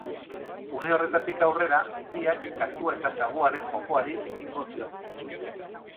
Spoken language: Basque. Une horretatik aurrera, biak katua eta saguaren jokoari ekingo diote.